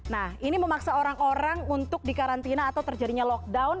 nah ini memaksa orang orang untuk dikarantina atau terjadinya lockdown